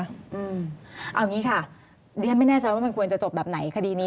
เอาอย่างนี้ค่ะดิฉันไม่แน่ใจว่ามันควรจะจบแบบไหนคดีนี้